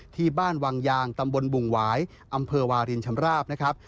ที่บ้านวังยางตำบลบุ่งหวายอำเภอวารินชำราบนะครับ